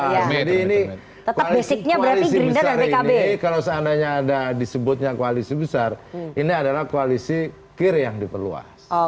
jadi ini koalisi besar ini kalau seandainya disebutnya koalisi besar ini adalah koalisi kir yang diperluas